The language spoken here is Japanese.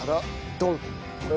ドン！